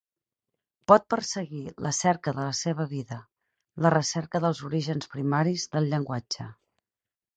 Pot perseguir la cerca de la seva vida, la recerca dels orígens primaris del llenguatge.